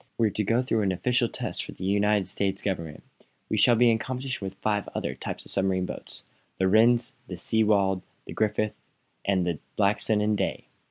We're to go through an official test for the United States Government. We shall be in competition with five other types of submarine boats the Rhinds, the Seawold, the Griffith, and the Blackson and Day.